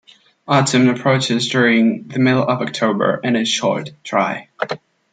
Autumn approaches during the middle of October and is short, dry.